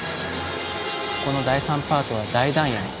この第３パートは大団円。